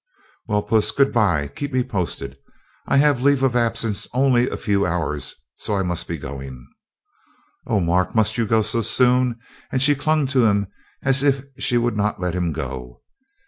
"Well, Puss, good bye, keep me posted. I had leave of absence only a few hours, so I must be going." "Oh, Mark, must you go so soon?" And she clung to him as if she would not let him go.